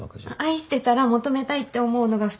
愛してたら求めたいって思うのが普通じゃないの？